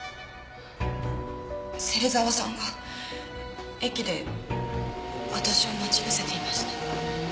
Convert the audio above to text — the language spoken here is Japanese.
芹沢さんが駅で私を待ち伏せていました。